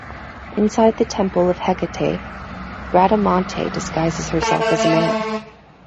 Inside the temple of Hecate, Bradamante disguises herself as a man.